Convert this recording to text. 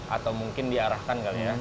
atau mungkin diarahkan kali ya